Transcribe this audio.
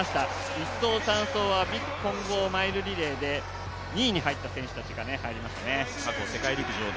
１走、３走は混合マイルリレーで２位に入った選手たちが入りましたね。